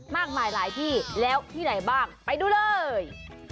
มากมายหลายที่แล้วที่ไหนบ้างไปดูเลย